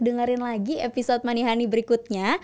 dengerin lagi episode manihani berikutnya